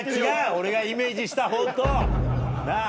俺がイメージしたほうとなぁ！